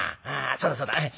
そうだそうだ。